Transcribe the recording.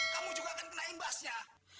kamu juga akan kena imbasnya